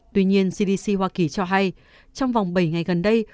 tuy nhiên cdc hoa kỳ cho hay trong vòng bảy ngày gần đây